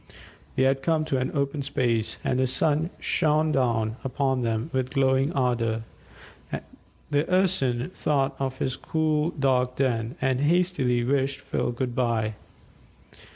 They had come to an open space, and the sun shone down upon them with glowing ardour; the Urson thought of his cool dark den, and hastily wished Phil "good bye."